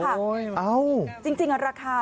ราคาสักประมาณค่ะ